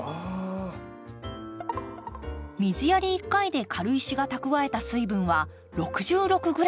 水やり１回で軽石が蓄えた水分は６６グラム。